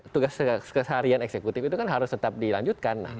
tugas keseharian eksekutif itu kan harus tetap dilanjutkan